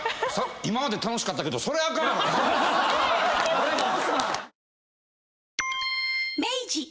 今まで楽しかったけどそれあかんわ！